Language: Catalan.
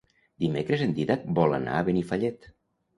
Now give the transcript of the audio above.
Dimecres en Dídac vol anar a Benifallet.